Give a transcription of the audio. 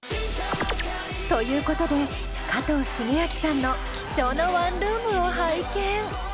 ということで加藤シゲアキさんの貴重なワンルームを拝見！